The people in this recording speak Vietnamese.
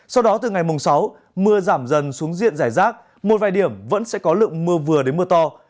sau đó từ ngày mùng sáu mưa giảm dần xuống diện giải rác một vài điểm vẫn sẽ có lượng mưa vừa đến mưa to